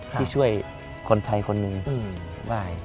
ที่ช่วยคนไทยคนหนึ่งไหว้